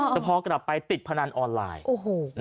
แต่พอกลับไปติดพนันออนไลน์